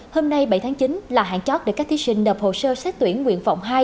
hôm nay bảy tháng chín là hạn chót để các thí sinh đập hồ sơ xét tuyển nguyện vọng hai